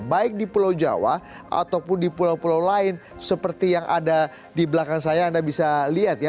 baik di pulau jawa ataupun di pulau pulau lain seperti yang ada di belakang saya anda bisa lihat ya